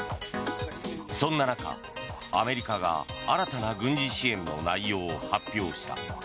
そんな中、アメリカが新たな軍事支援の内容を発表した。